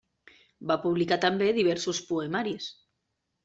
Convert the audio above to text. Va publicar també diversos poemaris.